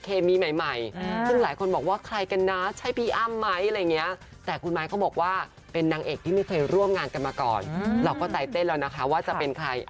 เราก็ใต้เต้นแล้วนะครับว่าจะเป็นใคร